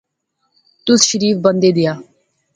تس شریف بندے دیا